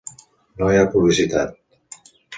No hi ha publicitat.